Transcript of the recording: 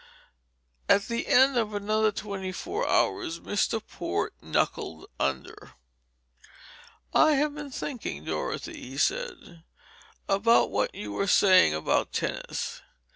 At the end of another twenty four hours Mr. Port knuckled under. "I have been thinking, Dorothy," he said, "about what you were saying about tennis.